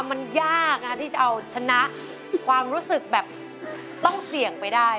มันยากที่จะเอาชนะความรู้สึกแบบต้องเสี่ยงไปได้